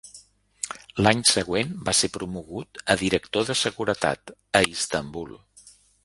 L'any següent va ser promogut a director de seguretat, a Istanbul.